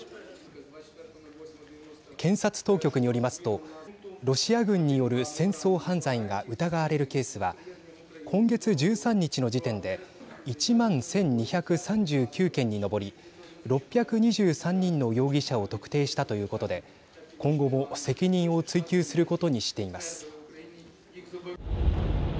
検察当局によりますとロシア軍による戦争犯罪が疑われるケースは今月１３日の時点で１万１２３９件に上り６２３人の容疑者を特定したということで今後も責任を追及することにしています。